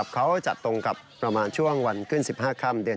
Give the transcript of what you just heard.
เขาจัดตรงกับประมาณช่วงวันขึ้น๑๕ค่ำเดือน